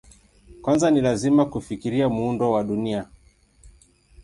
Kwanza ni lazima kufikiria muundo wa Dunia.